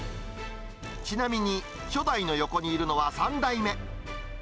ちなみに、初代の横にいるのは３代目。